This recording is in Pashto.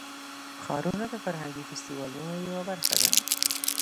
ښارونه د فرهنګي فستیوالونو یوه برخه ده.